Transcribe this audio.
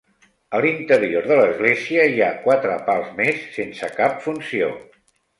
A l'interior de l'església hi ha quatre pals més, sense cap funció.